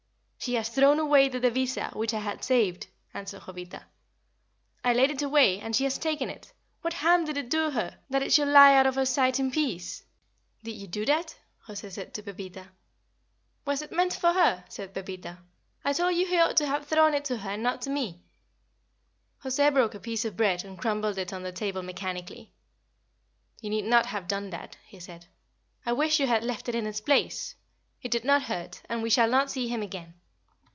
"She has thrown away the devisa, which I had saved," answered Jovita. "I laid it away, and she has taken it. What harm did it do her that it should lie out of her sight in peace?" "Did you do that?" José said to Pepita. "Was it meant for her?" said Pepita. "I told you he ought to have thrown it to her and not to me." José broke a piece of bread and crumbled it on the table mechanically. "You need not have done that," he said. "I wish you had left it in its place. It did no hurt, and we shall not see him again.